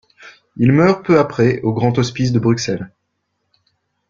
Il meurt peu après au Grand Hospice de Bruxelles.